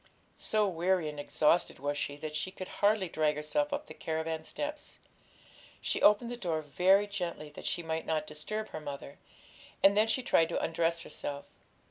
So weary and exhausted was she, that she could hardly drag herself up the caravan steps. She opened the door very gently, that she might not disturb her mother, and then she tried to undress herself.